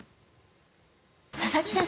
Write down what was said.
佐々木先生？